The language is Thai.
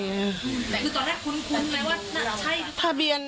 คือตอนแรกคุ้นคุ้นไหมว่าใช่หรือเปล่า